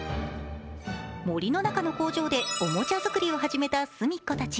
森の中の工場でおもちゃ作りを始めたすみっコたち。